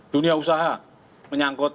dunia usaha menyangkut